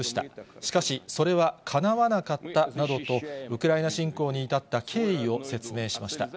しかし、それはかなわなかったなどと、ウクライナ侵攻に至った経緯を説明しました。